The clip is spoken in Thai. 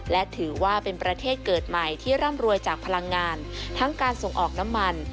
และถือว่าเป็นประเทศเกิดใหม่ที่ร่ำรวยจากพลังงานทั้งการส่งออกน้ำมัน